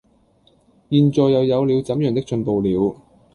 現在又有了怎樣的進步了，